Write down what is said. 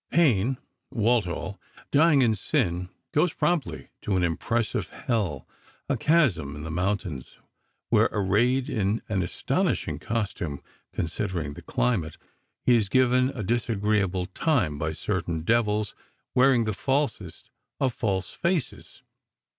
Payne (Walthall), dying in sin, goes promptly to an impressive Hell, a chasm in the mountains, where, arrayed in an astonishing costume, considering the climate, he is given a disagreeable time by certain devils wearing the falsest of false faces.